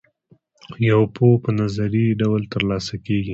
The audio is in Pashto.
یوه پوهه په نظري ډول ترلاسه کیږي.